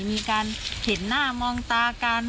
มีการเห็นหน้ามองตากัน